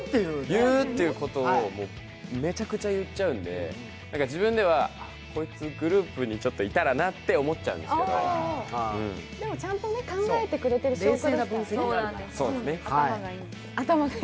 そういうことをめちゃくちゃ言っちゃうんで、自分としてはこいつグループにいたらなって思っちゃうんですけど、でもちゃんと考えてくれている証拠ですからね。